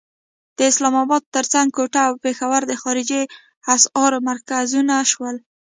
د اسلام اباد تر څنګ کوټه او پېښور د خارجي اسعارو مرکزونه شول.